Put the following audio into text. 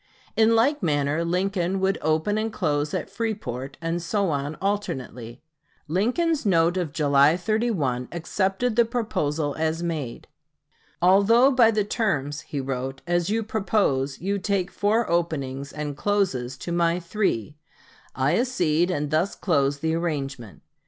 In like manner Lincoln should open and close at Freeport, and so on alternately. Lincoln's note of July 31 accepted the proposal as made. "Although by the terms," he wrote, "as you propose, you take four openings and closes to my three, I accede and thus close the arrangement."